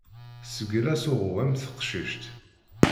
Sgel asuɣu am teqcict.